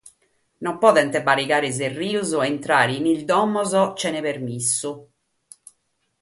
Non podent barigare rios e intrare in sas domos chene permissu.